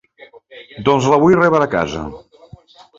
Doncs la vull rebre a casa.